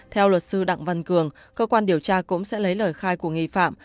theo luật sư đặng văn cường cơ quan điều tra cũng sẽ lấy lời khai của nghi phạm